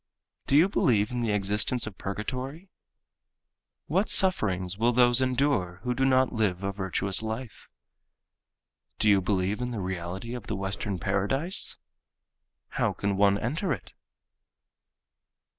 Do you believe in the existence of purgatory? What sufferings will those endure who do not live a virtuous life? Do you believe in the reality of the Western Paradise? How can one enter it?